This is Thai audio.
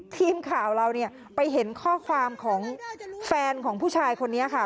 ทีมข่าวเราเนี่ยไปเห็นข้อความของแฟนของผู้ชายคนนี้ค่ะ